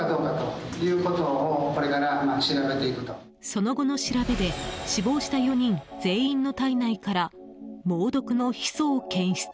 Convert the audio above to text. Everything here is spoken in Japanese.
その後の調べで死亡した４人全員の体内から猛毒のヒ素を検出。